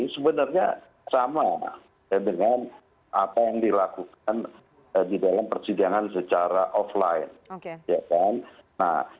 sebenarnya sama dengan apa yang dilakukan di dalam persidangan secara offline